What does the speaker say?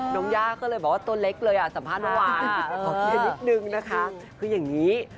น้องย่าเลยบอกว่าตัวเล็กเลยอ่ะสัมภาษณ์เมื่อวานขอทีลิกนึงนะคะ